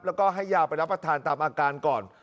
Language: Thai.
แล้วก็ให้ยาไปรับประทานตามอาการก่อน